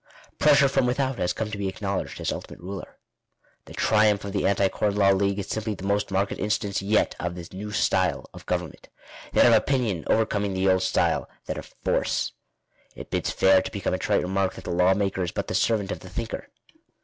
" Pressure from without" has come to be acknowledged as ultimate ruler. The triumph of the Anti Corn Law League is simply the most marked instance yet> of the new style of government — that of opinion, overcoming the old style — that of force. It bids fair to become a trite remark that the law maker is but the servant of the thinker.